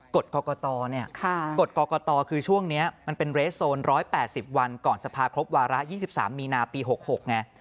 กฎกรกตเนี่ยกฎกรกตคือช่วงนี้มันเป็นเรสโซน๑๘๐วันก่อนสภาครบวาระ๒๓มีนาปี๖๖ไง